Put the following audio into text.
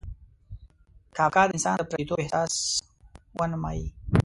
کافکا د انسان د پردیتوب احساس ونمایي.